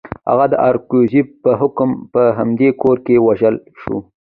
هغه د اورنګزېب په حکم په همدې کور کې ووژل شو.